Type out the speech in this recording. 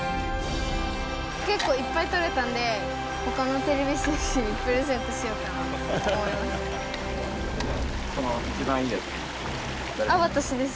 けっこういっぱい採れたんでほかのてれび戦士にプレゼントしようかなと思います。